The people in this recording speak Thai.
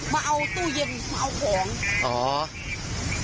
มาเอาตู้เย็นมาเอาของอ๋อ